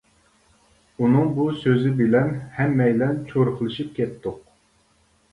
ئۇنىڭ بۇ سۆزى بىلەن ھەممەيلەن چۇرۇقلىشىپ كەتتۇق.